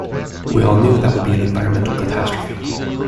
We all knew that would be an environmental catastrophe.